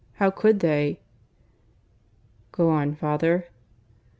How could they?" "Go on, father."